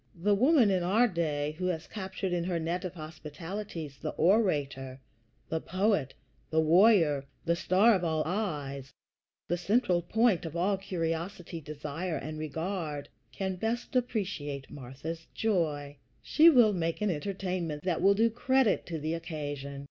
The woman in our day who has captured in her net of hospitalities the orator, the poet, the warrior the star of all eyes, the central point of all curiosity, desire, and regard can best appreciate Martha's joy. She will make an entertainment that will do credit to the occasion.